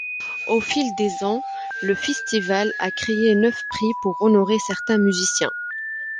Au fil des ans, le festival a créé neuf prix pour honorer certains musiciens.